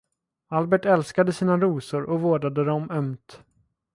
Albert älskade sina rosor och vårdade dem ömt.